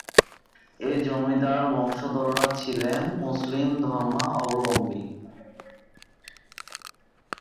এই জমিদার বংশধররা ছিলেন মুসলিম ধর্মালম্বী।